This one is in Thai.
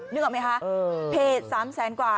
นึกออกไหมคะเพจ๓แสนกว่า